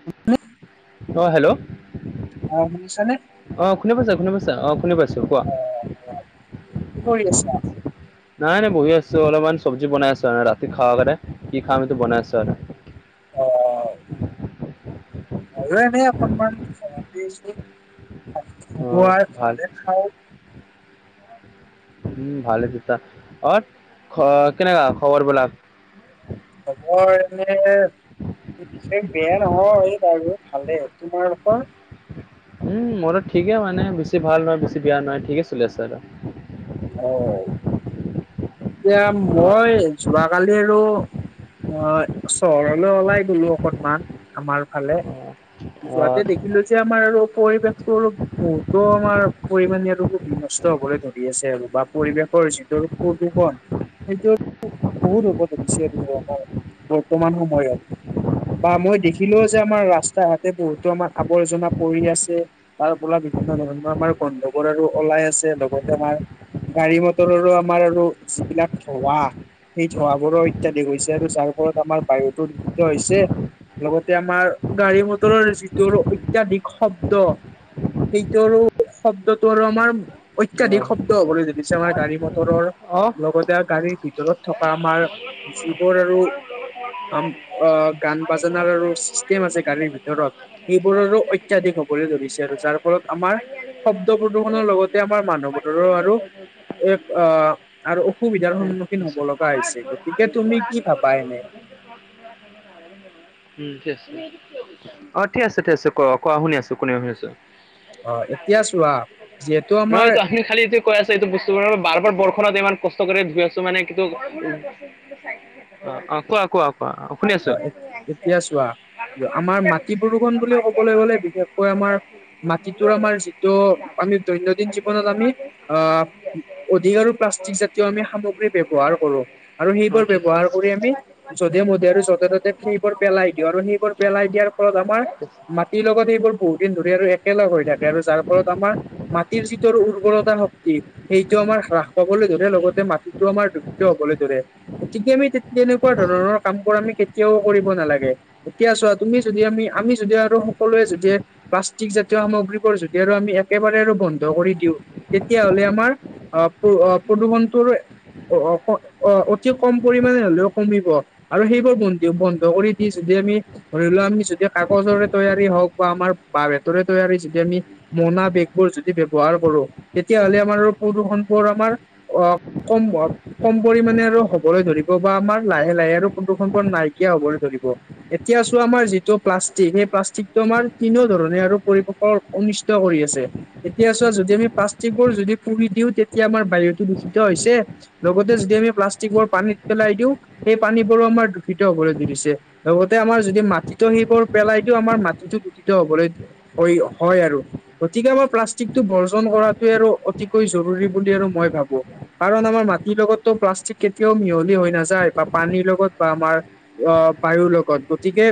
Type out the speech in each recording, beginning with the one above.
[inaudible] অ' hello. অ' শুনিছানে? অ' শুনি পাইছা, শুনি পাইছা? অ' শুনি পাইছোঁ কোৱা। আহ কি কৰি আছা? নাই নাই বহি আছোঁ, অলপমান চবজি বনাই আছোঁ মানে ৰাতি খাব কাৰণে, কি খাম সেইটো বনাই আছোঁ আৰু। আহ আৰু এনেই অকনমান অ [unintelligible] ভাল হ'লে খাওঁ। উম, ভালে হৈছে, অ' খ কেনেকা খবৰবিলাক? খবৰ এনে এই বেয়া নহয় এই আৰু ভালেই। তোমালোকৰ? [inaudible] উম, মোৰো ঠিকে মানে, বেছি ভালো নহয় বেছি বেয়া নহয়, ঠিকে চলি আছে আৰু। হয়। এতিয়া অ মই যোৱা কালি আৰু অ' চহৰলৈ ওলাই গ'লো অকনমান, আমাৰ ফালে। অ যোৱাতে দেখিলো যে আমাৰ আৰু পৰিৱেশটোৰ বহুতো আমাৰ পৰিমাণে আৰু বিনষ্ট হ'বলৈ ধৰি আছে আৰু, বা পৰিৱেশৰ যিটো প্ৰদূষণ সেইটো বহুত হ'ব ধৰিছে আৰু আমাৰ বৰ্তমান সময়ত। বা মই দেখিলোৱে যে আমাৰ ৰাস্তাই ঘাটে বহুতো আমাৰ আৱৰ্জনা পৰি আছে। তাৰপৰা বিভিন্ন ধৰণৰ আমাৰ গন্ধবোৰ আৰু ওলাই আছে, লগতে আমাৰ গাড়ী মটৰৰো আমাৰ আৰু যিবিলাক ধোঁৱা সেই ধোঁৱাবোৰো ইত্যাদি হৈছে আৰু যাৰ ফলত আমাৰ বায়ুতো দূষিত হৈছে। লগতে আমাৰ গাড়ী মটৰৰ যিটো অত্যাধিক শব্দ সেইটো আৰু শব্দটো আৰু আমাৰ অত্যাধিক শব্দ হ'বলৈ ধৰিছে, মানে গাড়ী মটৰৰ অ অ লগতে গাড়ী ভিতৰত থকা আমাৰ যিবোৰ আৰু আম অ' গান বাজানাৰ আৰু কেম আছে গাড়ীৰ ভিতৰত, সেইবোৰো অত্যাধিক হ'বলৈ ধৰিছে আৰু যাৰ ফলত আমাৰ শব্দ প্ৰদূষণৰ লগতে আমাৰ মানুহবোৰৰো আৰু এ, আ আৰু অসুবিধাৰ ঠিক সন্মুখীন আছে হ'ব লগা হৈছে, গতিকে তুমি কি ভাবা এনে? [inaudible] উম, ঠিক আছে। অ' ঠিক আছে, ঠিক আছে, কোৱা অ' কোৱা শুনি আছোঁ, কোনেও শুনি আছোঁ অ' এতিয়া চোৱা যিহেতু নহয় আমাৰ এইটো আহিল খালি এতিয়া কৈ আছে এইটো বস্তুবোৰ বাৰ বাৰ বৰষুণত ইমান কষ্ট কৰি ধুই আছোঁ মানে কিন্তু অ', অ' কোৱা কোৱা কোৱা অ' অ' এ-এতিয়া চোৱা আমাৰ মাটি প্ৰদূষণ বুলি ক'বলৈ গ'লে বিশেষকৈ আমাৰ মাটিটো আমাৰ যিটো আমি দৈনন্দিন জীৱনত আমি আ, অধিক আৰু প্লাষ্টিক জাতীয় আমি সামগ্ৰী ব্যৱহাৰ কৰোঁ। আৰু অ সেইবোৰ ঠিক ব্যৱহাৰ কৰি আমি জধে মধে আৰু য'তে ত'তে সেইবোৰ পেলাই দিওঁ, আৰু সেইবোৰ পেলাই দিয়াৰ ফলত আমাৰ আছে মাটিৰ লগত সেইবোৰ বহু দিন ধৰি আৰু একেলগ হৈ থাকে আৰু যাৰ ফলত আমাৰ মাটিৰ যিটোৰ উৰ্বৰতা শক্তি, সেইটো আমাৰ হ্ৰাস পাবলৈ ধৰে লগতে মাটিত টো আমাৰ দূষিত হ'বলৈ ধৰে, গতিকে আমি তে-তেনেকুৱা ধৰণৰ কামবোৰ আমি কেতিয়াও কৰিব নালাগে, এতিয়া চোৱা, তুমি যদি আমি, আমি যদি আৰু সকলোৱে যদি প্লাষ্টিক জাতীয় সামগ্ৰীবোৰ যদি আৰু আমি একেবাৰে আৰু বন্ধ কৰি দিওঁ, তেতিয়াহ'লে আমাৰ অ', প্ৰ অ', প্ৰদূষণটোৰো অ', অ', অ', অতি কম পৰিমণে হ'লেও কমিব আৰু সেইবোৰ বন্ধ দিওঁ, বন্ধ কৰি দি যদি আমি ধৰি লোৱা আমি যদি কাগজৰে তৈয়াৰী হওঁক বা আমাৰ বাঁহ বেতৰে তৈয়াৰী যদি আমি মোনা বেগবোৰ যদি ব্যৱহাৰ কৰো তেতিয়াহ'লে আৰু আমাৰ প্ৰদূষণবোৰ আমাৰ অ', কম [unintelligible] কম পৰিমানে আৰু হ'বলৈ ধৰিব, বা আমাৰ লাহে, লাহে আৰু প্ৰদূ নাইকিয়া হ'বলৈ ধৰিব। এতিয়া চোৱা আমাৰ যিটো প্লাষ্টিক, সেই প্লাষ্টিকটো আমাৰ তিনিওধৰণে আৰু পৰিপক অনিষ্ট কৰি আছে। এতিয়া চোৱা, যদি আমি প্লাষ্টিকবোৰ যদি পুৰি দিওঁ তেতিয়া আমাৰ বায়ুতো বিশুদ্ধ হৈছে লগতে যদি আমি প্লাষ্টিকবোৰ পানীত পেলাই দিওঁ, সেই পানীবোৰো আমাৰ দূষিত হ'বলৈ ধৰিছে। লগতে আমাৰ যদি মাটিতো সেইবোৰ পেলাই দিওঁ আমাৰ মাটিটো দূষিত হ'বলৈ হয়, হয় আৰু। গতিকে আমাৰ প্লাষ্টিকটো বৰ্জন কৰাটোৱে আৰু অতিকৈ জৰুৰী বুলি আৰু মই ভাবোঁ। কাৰণ আমাৰ মাটিৰ লগতো প্লাষ্টিক কেতিয়াও মিহলি হৈ নাযায় বা পানীৰ লগত বা আমাৰ অ', বায়ুৰ লগত গতিকে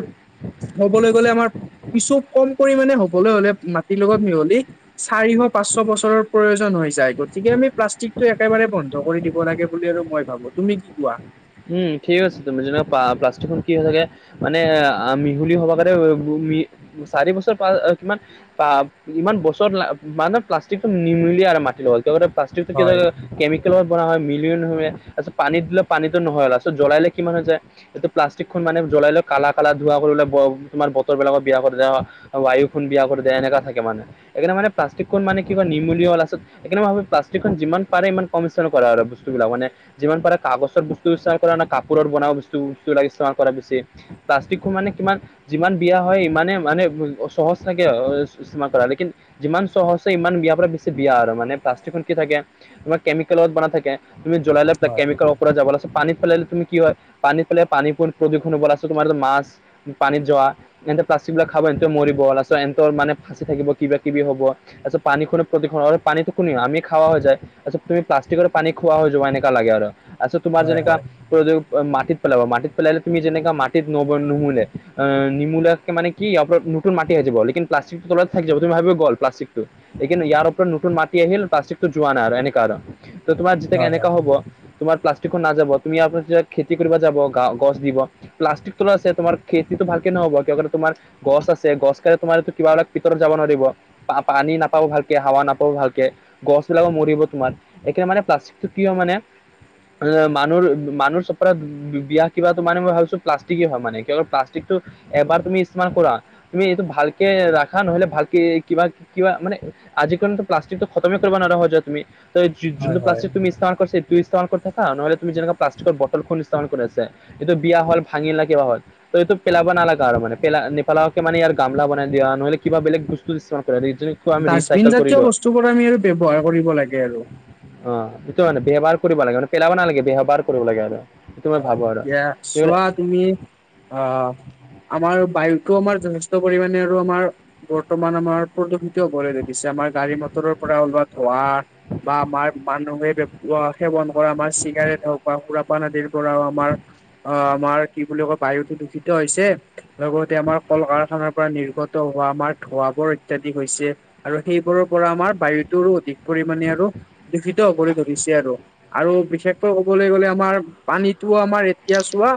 ক'বলৈ গলে আমাৰ কিছু কম পৰিমামানে হ'বলৈ হলে মাটিৰ লগত মিহলি চাৰিশ পাঁচশ বছৰৰ প্ৰয়োজন হৈ যায় গতিকে আমি প্লাষ্টিকটো একেবাৰে বন্ধ কৰি দিব লাগে বুলি আৰু মই তুমি কি কোৱা। উম, ঠিক কৈছে তুমি যদি প্লাষ্টিকৰ কি হৈ থাকে মানে এ মিহলি হ'বা কাৰণে চাৰি বছৰ পা কিমান বা ইমান বছৰত মানে প্লাষ্টিকটো নিমিলি আৰু মাটিৰ লগত প্লাষ্টিক হয় কেমিকেলত বনোৱা হয় মিলিও নিমিলে পানী দিলে পানীত নহয়'লাষ্টত জ্বলাললে কিমান হৈ যায় এইটো প্লাষ্টিকখন মানে জ্বলাই লৈ কালা কালা ধোৱা কৰিলে তোমাৰ বতৰ বিলাকক বিয়া কৰি দিয়া হয় বায়ু খন বিয়া কৰি দিয়া এনেককা থাকে মানে সেইইকাৰণে প্লাষ্টিক খন মানে কিবা নিৰ্মুলীয়া লাষ্টত সেইকাৰে মই ভাবো প্লাষ্টিকন যিমান পাৰে ইমান কমিশ্যন কৰা আৰু বস্তুবিলাক মানে যিমান পাৰে কাগজৰ বস্তু কৰা ন কাপোৰৰ বনোৱা বস্তু [unintelligible] ই কৰা পিছে প্লাষ্টিকো মানে কিমান যিমান বিয়া হয় ইমানে মানে সহজ থাকে [unintelligible] লেকিন যিমান সহজে ইমান বিয়াৰ পৰা বেছি বিয়া আৰু মানে প্লাষ্টিকত কি থাকে কেমিকেলত বনা থাকে তুমি জ্বলাইলে হয় কেমিকেল উপপৰত যাব ল পানীত পেলালে তুমি কি হয় পানী পেলালাই পানী প প্ৰদূষণল আছ তোমাৰো মাছ পানীত যোৱা এনেতে প্লাষ্টিক বিলাক খাব এনেতে মৰিব লাষ্টত এহৰ মানে ফাঁচি থাকিব কিবা কিবি হ'ব আচছ পান খুনে প্ৰদুষণ হয় পানীতো কোনি আমি খোৱাা হৈ যায় আচছা তুমি প্লাষ্টিকৰ পান খোৱা যোৱা এনেকা লাগে আৰু আচছ তোমাৰ হয় যেনেকা হয় মাটিত পেলাবা মাটিত পেলালে তুমি যেনেকা মাটিত নব নুমুলে অ', নিমুলে মানে কি আপ নতুন মাটি আহি যাব প্লাষ্টিক টো তলত থাকি যাব তুমি ভাবিব গ'ল। লেকিন ইয়াৰ ওপৰত নতুন মাটি আহিল প্লাষ্টিকটো যোৱা নাই আৰু এনেকা আৰু ত' তোমাৰ যেতিয়া হয় কেনেুৱা হয় হ'ব তোমাৰ প্লাষ্টিক নাযাব তুমি ইয়াৰ পাছত খেতি কৰিব যাব গা গছ দিব প্লাষ্টিক তো আছে তোমাৰ খেতিতটো ভালকে নহ'ব কিয় তোমাৰ গছ আছে গছ কালি তোমাৰো কিবা এিলাক ভিতৰত যাব নোৱাৰিব। পানী নাপাব ভালকে হাৱা নাপাব ভালকে গছবিলাকো মৰিব তোমাৰ এইকাৰণে মানে প্লাষ্টিকটো কি মানে মানুহ মানুহ চ বিয়া কিবাটো মানে মই ভাবিছো প্লাষ্টিকেই হয় [unintelligible] প্লাষ্টিকটো এবাৰ তুমি ইস্তেমাল কৰা তুমি এইটো ভালকে ৰাখা নহলে ভালকে কিবা কিবা মানে আজিৰ কাৰনেটো প্লাষ্টিকটো খতমেই কৰিব নোৱাৰা হৈ যোৱা তুমি। হয় যোনটো হয়। প্লাষ্টিক তুমি ইস্তেমাল কৰিছা সেইটো ইস্তেমাল থাকা নহলে তুমি যেনে প্লাষ্টিকৰ বটল [unintelligible] ইষ্টেমাল কৰি আছে এইটো বিয়া হল ভাঙি না কিবা হ'ল। ত' এইটো পেলাব নালাগা আৰু মানে পেলা নপালাকে মানে ইাৰ গামলা বনাই দিয়া নহলে কিবা বেলেগ বস্তু কিছুমান ইস্তেমাল কৰা। আমি ডাষ্টবিন ৰিচাইকেল জাতীয় কৰিলোৱা বস্তু বোৰ আমি আৰু ব্যৱহাৰ কৰিব লাগে আৰু। অ', সেইটো মানে বেহবাৰ কৰিব লাগে মানে পেলাব নালাগে বেহবাৰ কৰিব লাগে আৰু। সেইটো মই হয়, ভাবো আৰু এতিয়া ইউৰ চোৱা তুমি অ' আমাৰ বায়ুটো আমাৰ যথেষ্ট পৰিমণে আৰু আমাৰ বৰ্তমান আমাৰ প্ৰদূষিত হ'বলৈ ধৰিছে আমাৰ গাড়ী মটৰৰ পৰা ওলোৱা ধোঁৱা বা আমাৰ মানুহে শেৱন কৰা আমাৰ চিগাৰেট হওক বা সুৰাপান আদিৰ পৰা আমাৰ অ', আমাৰ কি বুলি কয় বায়ুতটো দূষিত হৈছে লগতে আমাৰ কল কাৰখানাৰ পৰা নিৰ্গত হোৱা আমাৰ ধোৱাবোৰ অত্যাধিক হৈছে। আৰু সেইবোৰৰ পৰা আমাৰ বায়ুটোৰো অধিক পৰিমামানে আৰু দূষিত হবঁলৈ কৰি ধৰিছে আৰু আৰু বিশেষকৈ কবলৈ গলে আমাৰ পানীতটো আমাৰ এতিয়া চোৱা।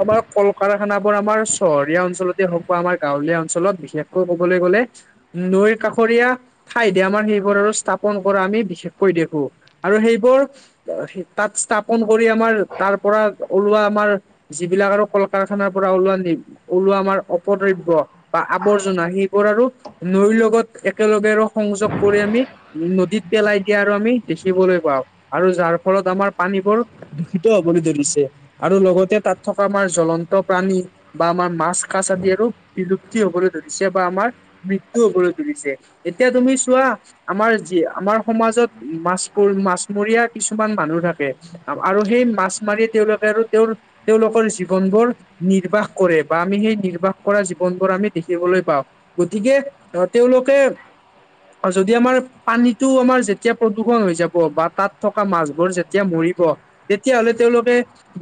আমাৰ কল কাৰখানাবোৰ আমাৰ চহৰীয়া অঞ্চলতে হওক বা আমাৰ গাঁৱলীয়া অঞ্চলত বিশেষকৈ কবলৈ গ'লে। নৈৰ কাষৰীয়া ঠাইতে আমাৰ সেইবোৰ আৰু স্থাপন কৰা আমি বিশেষকৈ দেখো আৰু সেইবোৰ তাত স্থাপন কৰি আমাৰ তাৰ পৰা ওলোৱা আমাৰ যিবিলাক আৰু কল কাৰখানাৰ পৰা ওলোৱা ওলোৱা আমাৰ অপদ্ৰব্য বা আৱৰ্জনা সেইবোৰ আৰু নৈৰ লগত একেলগে আৰু সংযোগ কৰি আমি নদীত পেলাই দিয়া আৰু আমি দেখিবলৈ পাওঁ আৰু যাৰ ফলত আমাৰ পানীবোৰ দূষিত হ'বলৈ ধৰিছে আৰু লগতে তাত থকা আমাৰ জ্লন্ত প্ৰাণী বা আমাৰ মাছ কাছ আদি আৰু বিলুপ্তি হবলৈ ধৰিছে বা আমাৰ মৃত্যু হবলৈ ধৰিছে এতিয়া তুমি চোৱা। আমাৰ যি আমাৰ সমাজত মাছ মাছমৰীয়া কিছুমান মানুহ থাকে। আৰু সেই মাছ মাৰি তেওঁলোকে আৰু তেওঁৰ তেওঁলোকৰ জীৱনবোৰ নিৰ্বাহ কৰে বা আমি সেই নিৰ্বাহ কৰা জীৱনবোৰ আমি দেখিবলৈ পাওঁ। গতিকে আহ তেওঁলোকে আৰু যদি আমাৰ পানীতটো আমাৰ যেতিয়া প্ৰদূষণ হৈ যাব বা তাত থকা মাছবোৰ যেতিয়া মৰিব তেতিয়াহ'লে তেওঁলোকে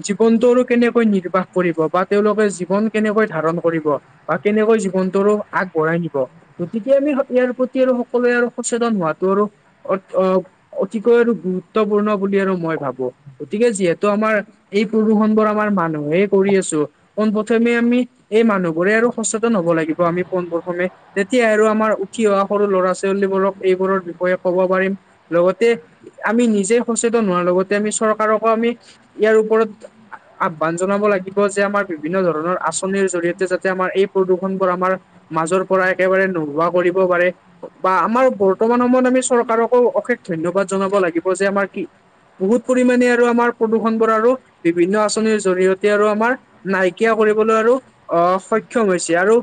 জীৱনটো আৰু কেনেকৈ নিৰ্বাহ কৰিব বা তেওঁলোকে জীৱন কেনেকৈ ধাৰণ কৰিব। বা কেনেকৈ জীৱনটো আৰু আগবঢ়াই নিব। গতিকে আমি ইয়াৰ প্ৰতি আৰু সকলোৱে আৰু সচেতন হোৱাাতটো আৰু অ', অ', অতিকৈ আৰু গুৰুত্বপূৰ্ণ বুলি আৰু মই ভাবো গতিকে যিহেতু আমাৰ এই প্ৰদূষণ বোৰ আমাৰ মানুহেই কৰি আছো। পোনপ্ৰথমে আমি এই মানুহবোৰে আৰু সচেতন হব লাগিব আমি পোন প্ৰ্থমে তেতিয়া আৰু আমাৰ উঠি অহা সৰু ল'ৰা ছোৱালীবোৰক এইবোৰৰ বিষয়ে কব পাৰিম লগতে আমি নিজে সচেতন হোৱাৰ লগতে আমি চৰকাৰকো আমি ইয়াৰ ওপৰত আহ্বান জনাব লাগিব যে আমাৰ বিভিন্ন ধৰণৰ আঁচনিৰ জৰিয়তে যাতে আমাৰ এই প্ৰদূষনবোৰ আমাৰ মাজৰ পৰা একেবাৰে নোহোৱা কৰিব পাৰে। বা আমাৰ বৰ্তমান সময়ত আমি চৰকাৰকো অশেষ ধন্যবাদ জনাব লাগিব যে আমাৰ কি বহুত পৰিমাণে আৰু আমাৰ প্ৰদূষণ বোৰ আৰু বিভিন্ন আঁচনিৰ জৰিয়তে আৰু আমাৰ নাইকিয় কৰিবলৈ আৰু আহ সক্ষম হৈছে আৰু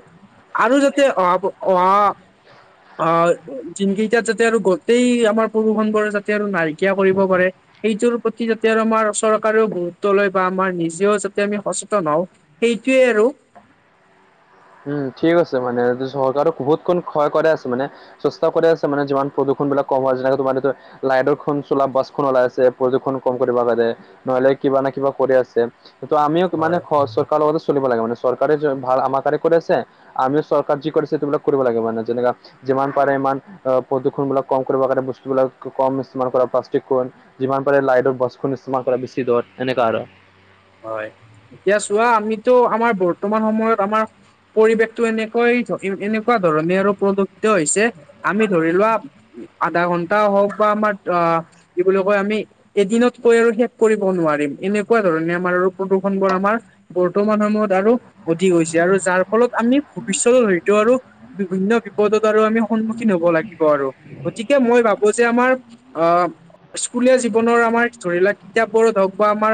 আৰু যাতে অহা অহা অ', দিনকেইটাত যাতে আৰু গোটেই আমাৰ বৰষুবোৰে যাতে আৰু নাইকিয়া কৰিব পাৰে। সেইটোৰ প্ৰতি যাতে আৰু আমাৰ চৰকাৰেও গুৰুত্ব লয় বা আমাৰ নিজেও যাতে আমি সচেতন হওঁ। সেইটোৱে আৰু। উম, ঠিক আছে মানে চৰকাৰক বহুত ক ক্ষয় কৰাই আছে মানে। চেষ্টা কৰি আছে মানে যিমান প্ৰদূষণবিলাক কম হয়, যেনেকে তোমাৰটো লাইটৰখন চোলা বাছখন ওলাই আছে প্ৰদূষণ কম কৰিব কাৰনে। নহ'লে কিবা না কিবা কৰি আছে। ত' আমিও মানে চৰকাৰৰ লগতে চলিব লাগে মানে চৰকাৰে যে ভাল আমাক কৰি আছে, আমিও চৰকাৰ যি কৰিছে সেইবিলাক কৰিব লাগে মানে যেনেকা যিমান পাৰে ইমান প্ৰদূষণবিলাক কম কৰিবৰ কাৰণে বস্তুবলাক কম ইউজ কৰা প্লাষ্টিক কম। যিমান পাৰে লাইটৰ বছখন ইস্তেমাল কৰা বেছি দৰত এনেকুৱা আৰু। হয়, এতিয়া চোৱা আমিতো আমাৰ বৰ্তমান সময়ত আমাৰ পৰিৱেশটো এনেকৈ এনেকুৱা ধৰণে আৰু প্ৰদূষিত হৈছে, আমি ধৰি লোৱা আধা ঘণ্টা হওঁক বা আমাৰ আ বুলি কয় আমি এদিনত কৈ আৰু শেষ কৰিব নোৱাৰিম, এনেকুৱা ধৰণে আমাৰ আৰু প্ৰদূষণবোৰ আমাৰ বৰ্তমান সময়ত আৰু অধিক হৈছে আৰু যাৰ ফলত আমি ভৱিষ্যত হয়তো আৰু বিভিন্ন বিপদত আৰু আমি সন্মুখীন হ'ব লাগিব আৰু গতিকে মই ভাবোঁ যে আমাৰ আ, স্কুলীয়া জীৱনৰ আমাৰ ধৰি লোৱা কিতাপবোৰত হওক বা আমাৰ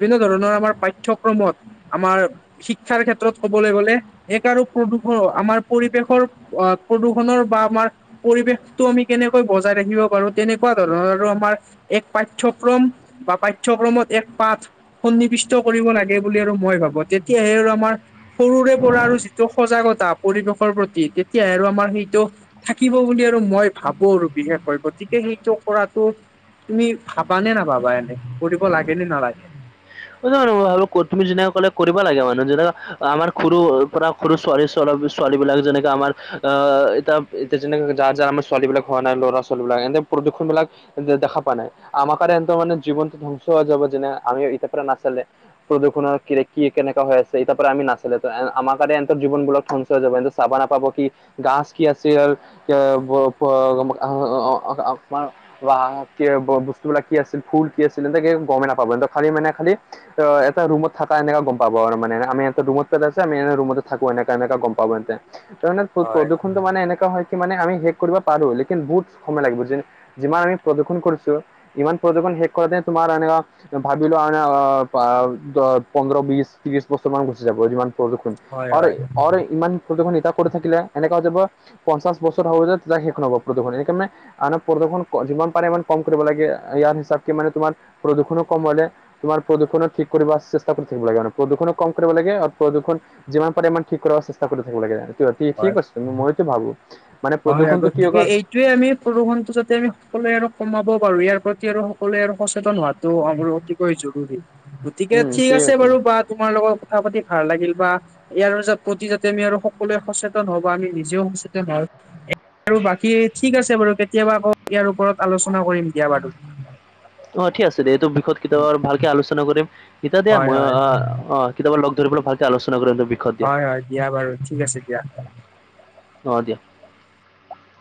বিভিন্ন ধৰণৰ আমাৰ পাঠ্যক্ৰমত, আমাৰ শিক্ষাৰ ক্ষেত্ৰত কবলৈ গলে এক আৰু প্ৰদূষণ আমাৰ পৰিৱেশৰ অ' প্ৰদূৰষণৰ বা আমাৰ পৰিৱেশটো আমি কেনেকৈ বজাই ৰাখিব পাৰোঁ তেনেকুৱা ধৰণৰ আৰু আমাৰ এক পাঠ্যক্ৰম বা পাঠ্যক্ৰমত এক পাঠ সন্নিবিষ্ট কৰিব লাগে বুলি আৰু মই ভাবোঁ, তেতিয়াহে আৰু আমাৰ সৰুৰেপৰা আৰু যিটো সজাগতা পৰিৱেশৰ প্ৰতি তেতিয়াহে আৰু আমাৰ সেইটো থাকিব বুলি আৰু মই ভাবোঁ আৰু বিশেষকৈ গতিকে সেইটো কৰাটো তুমি ভাবা নে নাভাবা এনে, কৰিব লাগে নে নালাগে? হলেও ৰবা তুমি যেনেকা ক'লে কৰিব লাগে মানুহ, যেনেকা আমাৰ সৰুৰপৰা সৰু ছোৱালী ছোৱালীবিলাক যেনেকে আমাৰ আ, এতিয়া এতিয়া যেনেকে যাৰ যাৰ আমাৰ ছোৱালীবিলাক হোৱা নাই, ল'ৰা ছোৱালীবিলাক এনে প্ৰদূ্ষণবিলাক দেখা পোৱা নাই, আমাৰ কৰণে এহঁতৰ মানে জীৱনটো ধ্বংস হৈ যাব যেনে আমি এতিয়াৰপৰা নাচালে। প্ৰদূষণৰ কি কি কেনেকা হৈ আছে, এতিয়াৰপৰা নাচালে আমাৰ কাৰণে এনতৰ জীৱনবিলাক পোৱা যাব কিন্তু চাব নাপাব কি, গাছ কি আছিল [unintelligible] বা কি বস্তুবিলাক কি আছিল, ফুল কি আছিল এনে গমেই নাপাব, খালি মানে খালি ত' এটা ৰুমত থাকা এনেকা গম পাব আৰু মানে আমি এটা ৰুমত পেলাই আছোঁ আ, এনে ৰুমত থাকো এনেকা এনেকা গম পাব এনেতে। ত' মানে হয়, প্ৰদূষণটো মানে এনেকা হয় কি মানে আমি শেষ কৰিব পাৰো, লেকিন বহুত সময় লাগিব যে যিমান আমি প্ৰদূ্ষন কৰিছোঁ, ইমান প্ৰদূ্ষন শেষ কৰাতে তোমাৰ এনেকা ভাবিলো আৰু বা দ পোন্ধৰ, বিশ, ত্ৰিশ বছৰ মান গুচি যাব যিমান প্ৰদূক্ষণ হয়, আৰু হয়, আৰু ইমান প্ৰদূষন এতিয়া কৰি থাকিলে এনেকা হৈ যাব পঞ্চাছ বছৰ হ'ব যে তেতিয়া শেষ নহ'ব প্ৰদূষণ সেইকাৰণে আৰু প্ৰদূষণ যিমান পাৰে ইমান কম কৰিব লাগে, ইয়াৰ হিচাপকে মানে তোমাৰ প্ৰদূষণো কম হলে তোমাৰ প্ৰদূষণো ঠিক কৰিব চেষ্টা কৰি থাকিব লাগে মানে প্ৰদূষণো কম কৰিব লাগে আৰু প্ৰদূষণ যিমান পাৰে ইমান ঠিক কৰাৰ চেষ্টা কৰি থাকিব লাগে, হয়, ঠিক আছে মইতো ভাবোঁ। মানে প্ৰদূষণটো কিহৰ কাৰণে সেইটোৱে আমি প্ৰদূষণটো যাতে আমি সকলোৱে আৰু কমাব পাৰো, ইয়াৰ প্ৰতি আৰু সকলোৱে আৰু সচেতন হোৱাত অতিকৈ জৰুৰী, গতিকে ঠিক আছে বাৰু বা তোমাৰ লগত কথা পাতি ভাল লাগিল বা ইয়াৰ প্ৰতি যাতে আমি আৰু সকলোৱে সচেতন হওঁ বা আমি নিজেও সচেতন হওঁ। আৰু বাকী ঠিক আছে বাৰু কেতিয়াবা আকৌ ইয়াৰ ওপৰত আলোচনা কৰিম দিয়া বাৰু। অ' ঠিক আছে দিয়া, এইটো বিষয়ত কেতিয়াবা আৰু ভালকে আলোচনা কৰিম। এতিয়া দিয়া হয়, মই হয়, আ, অ' কেতিয়াবা লগ ধৰিবলৈ ভালকে আলোচনা কৰিম বিষয়ত দিয়া হয়, হয়, দিয়া বাৰু ঠিক আছে দিয়া। অহ, দিয়া।